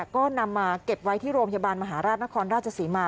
ก็นำมาเก็บไว้ที่โรงพยาบาลมหาราชนครราชศรีมา